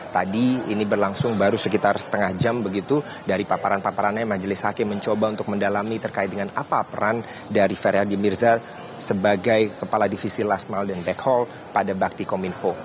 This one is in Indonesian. tadi ini berlangsung baru sekitar setengah jam begitu dari paparan paparannya majelis hakim mencoba untuk mendalami terkait dengan apa peran dari ferdi mirza sebagai kepala divisi last mal dan back hall pada bakti kominfo